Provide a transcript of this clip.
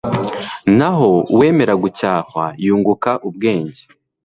naho uwemera gucyahwa yunguka ubwenge